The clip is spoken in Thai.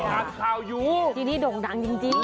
อ่านข่าวอยู่ที่นี่โด่งดังจริง